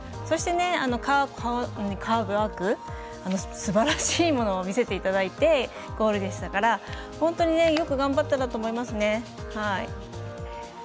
そして、カーブワークすばらしいものを見せていただいてゴールでしたから本当によく頑張ったなと思いますね。